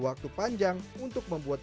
waktu panjang untuk membuat